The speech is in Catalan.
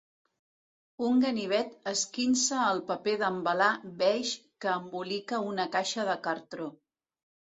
Un ganivet esquinça el paper d'embalar beix que embolica una caixa de cartró.